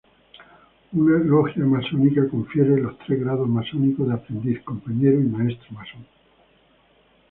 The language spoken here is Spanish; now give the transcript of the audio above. Una logia masónica confiere los tres grados masónicos de Aprendiz, Compañero, y Maestro Masón.